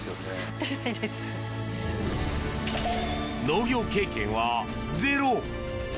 農業経験はゼロ。